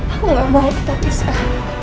aku gak mau kita pisah